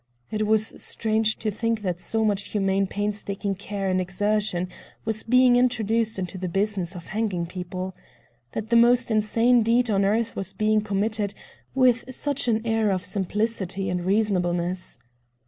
It was strange to think that so much humane painstaking care and exertion was being introduced into the business of hanging people; that the most insane deed on earth was being committed with such an air of simplicity and reasonableness.